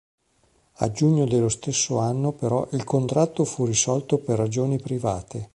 A giugno dello stesso anno, però, il contratto fu risolto per ragioni private.